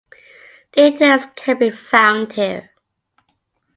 Details can be found here.